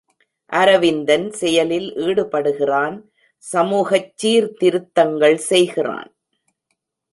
அரவிந்தன் செயலில் ஈடுபடுகிறான் சமூகச் சீர்திருத்தங்கள் செய்கிறான்.